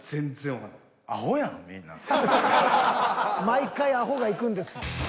［毎回アホが行くんです］